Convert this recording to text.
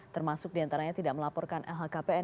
termasuk diantaranya tidak melaporkan lhkpn